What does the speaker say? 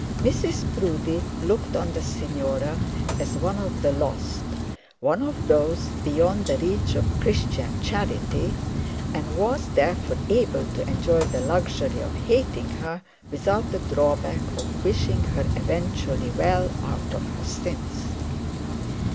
Mrs Proudie looked on the signora as one of the lost, one of those beyond the reach of Christian charity, and was therefore able to enjoy the luxury of hating her, without the drawback of wishing her eventually well out of her sins.